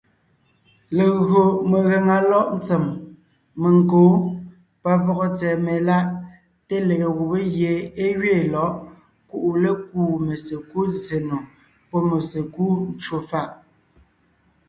Legÿo megàŋa lɔ̌ʼ ntsèm, menkǒ, pavɔgɔ tsɛ̀ɛ meláʼ, té lege gubé gie é gẅeen lɔ̌ʼ kuʼu lékúu mesekúd zsè nò pɔ́ mesekúd ncwò fàʼ.